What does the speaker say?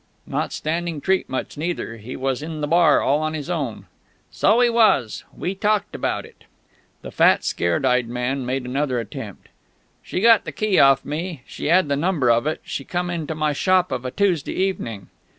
"Not standing treat much, neither; he was in the bar, all on his own...." "So 'e was; we talked about it...." The fat, scared eyed man made another attempt. "She got the key off of me she 'ad the number of it she come into my shop of a Tuesday evening...."